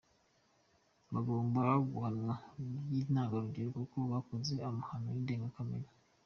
Bagomba guhanwa by’intangarugero kuko bakoze amahano y’indengakamere.